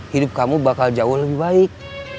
hidup kamu bakal jauh lebih baik